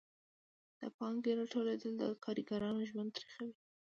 د پانګې راټولېدل د کارګرانو ژوند تریخوي